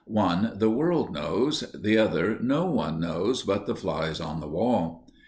One the world knows, the other no one knows but the flies on the wall.